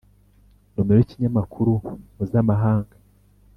nomero y’ikinyamakuru mu zamahanga